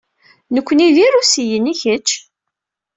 Nukni d Irusiyen, i kečč?